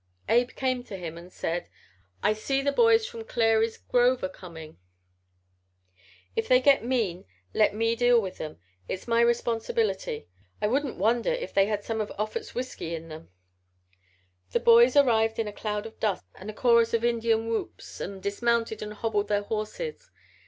Abe came to him and said: "I see the boys from Clary's Grove are coming. If they get mean let me deal with 'em. It's my responsibility. I wouldn't wonder if they had some of Offut's whisky with them." The boys arrived in a cloud of dust and a chorus of Indian whoops and dismounted and hobbled their horses.